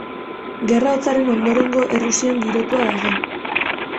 Gerra Hotzaren ondorengo Errusian girotua dago.